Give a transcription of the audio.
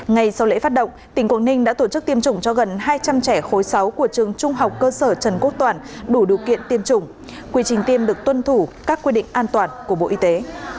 ngay sau lễ phát động tỉnh quảng ninh đã tổ chức tiêm chủng cho gần hai trăm linh trẻ khối sáu của trường trung học cơ sở trần quốc toàn đủ điều kiện tiêm chủng quy trình tiêm được tuân thủ các quy định an toàn của bộ y tế